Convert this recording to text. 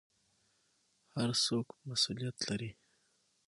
هر څوک مسوولیت لري